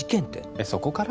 えっそこから？